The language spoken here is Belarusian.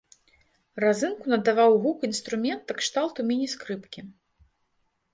Разынку надаваў гук інструмента кшталту міні-скрыпкі.